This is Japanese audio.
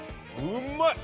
うまい！